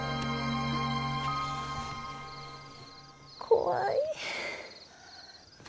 怖い。